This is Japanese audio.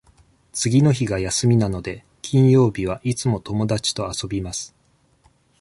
次の日が休みなので、金曜日はいつも友達と遊びます。